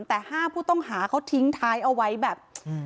แต่๕ผู้ต้องหาเขาทิ้งท้ายเอาไว้แบบ